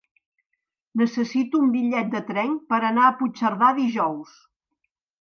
Necessito un bitllet de tren per anar a Puigcerdà dijous.